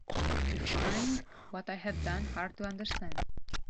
You find what I have done hard to understand.